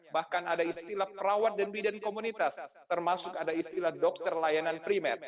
bahkan ada istilah perawat dan bidan komunitas termasuk ada istilah dokter layanan primer